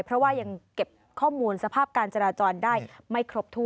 เพราะว่ายังเก็บข้อมูลสภาพการจราจรได้ไม่ครบถ้ว